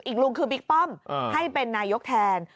ลุงคือบิ๊กป้อมให้เป็นนายกแทน